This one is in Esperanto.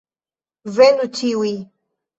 Venu ĉiuj!